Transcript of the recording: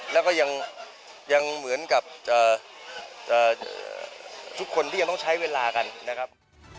แล้วก็ยังเหมือนกับทุกคนที่ยังต้องใช้เวลากันนะครับ